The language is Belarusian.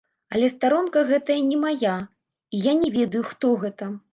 Але старонка гэтая не мая, і я не ведаю, хто гэта.